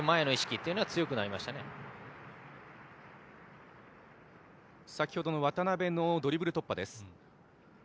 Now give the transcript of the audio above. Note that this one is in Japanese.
映像は先ほどの渡邉のドリブル突破です。